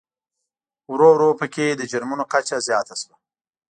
ورو ورو په کې د جرمومو کچه زیاته شوه.